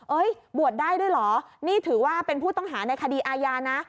บวชได้ด้วยเหรอนี่ถือว่าเป็นผู้ต้องหาในคดีอาญานะ